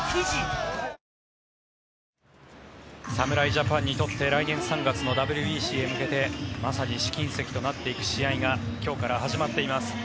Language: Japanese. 侍ジャパンにとって来年３月のＷＢＣへ向けてまさに試金石となっていく試合が今日から始まっています。